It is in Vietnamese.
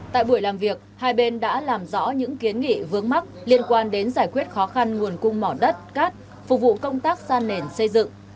tại buổi làm việc hai bên đã làm rõ những kiến nghị vướng mắc liên quan đến giải quyết khó khăn nguồn cung mỏ đất cát phục vụ công tác sa nền xây dựng